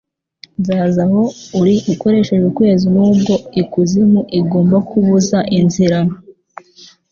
Nzaza aho uri ukoresheje ukwezi, nubwo ikuzimu igomba kubuza inzira!